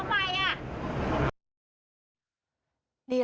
มาห่านได้ไหมตามไปเลย